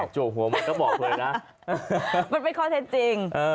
จวกหัวมันก็บอกเลยนะมันเป็นข้อเท็จจริง